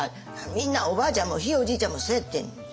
「みんなおばあちゃんもひいおじいちゃんもそやってん」